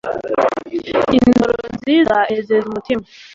Indoro nziza inezeza umutima